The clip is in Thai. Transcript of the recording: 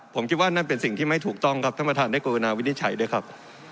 ผมคิดว่านั่นเป็นสิ่งที่ไม่ถูกต้องครับท่านประธานได้กรุณาวินิจฉัยด้วยครับ